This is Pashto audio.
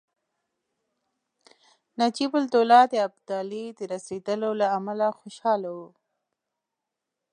نجیب الدوله د ابدالي د رسېدلو له امله خوشاله وو.